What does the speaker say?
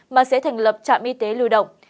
mà sẽ thành lập trạm y tế lưu động